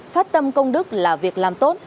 phát tâm công đức là việc làm tốt